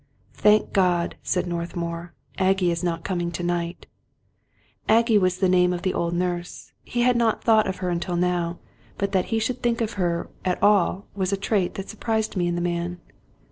"Thank God," said Northmour, "Aggie is not coming to night." Aggie was the name of the old nurse ; he had not thought of her until now ; but that he should think of her at all was a trait that surprised me in the man.